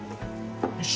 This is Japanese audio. よし。